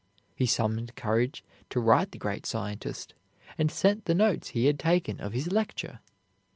He summoned courage to write the great scientist and sent the notes he had taken of his lecture.